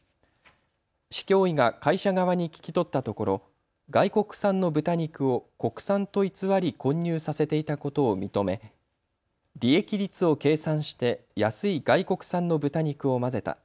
市教委が会社側に聞き取ったところ、外国産の豚肉を国産と偽り混入させていたことを認め利益率を計算して安い外国産の豚肉を混ぜた。